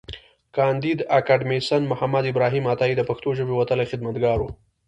کاندي اکاډميسنمحمد ابراهیم عطایي د پښتو ژبې وتلی خدمتګار و.